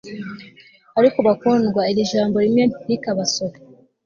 ariko bakundwa iri jambo rimwe ntirikabasobe